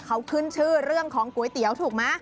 เขาขึ้นชื่อเรื่องของก๋วยเตี๋ยวถูกไหม